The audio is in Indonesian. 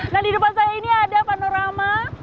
nah di depan saya ini ada panorama